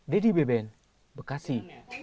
deddy beben bekasi